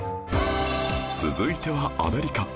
続いてはアメリカ